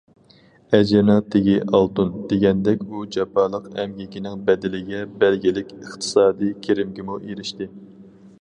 ‹‹ ئەجىرنىڭ تېگى ئالتۇن››، دېگەندەك ئۇ جاپالىق ئەمگىكىنىڭ بەدىلىگە بەلگىلىك ئىقتىسادىي كىرىمگىمۇ ئېرىشتى.